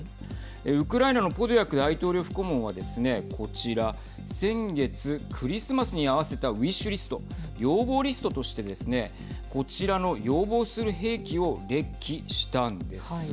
ウクライナのポドリャク大統領府顧問はですねこちら先月クリスマスに合わせたウィッシュリスト＝要望リストとしてですね。こちらの要望する兵器を列記したんです。